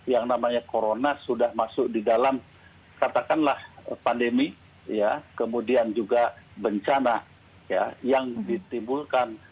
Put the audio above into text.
yang namanya corona sudah masuk di dalam katakanlah pandemi ya kemudian juga bencana yang ditimbulkan